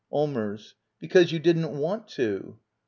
Allmers. Because you didn't want to.